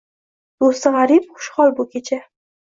Doʻsti gʻarib, xush qol bu kecha.